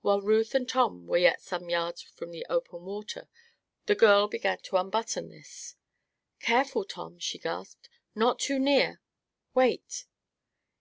While Ruth and Tom were yet some yards from the open water the girl began to unbutton this. "Careful, Tom!" she gasped. "Not too near wait!"